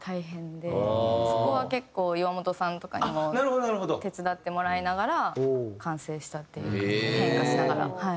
そこは結構岩本さんとかにも手伝ってもらいながら完成したっていう感じで変化しながら。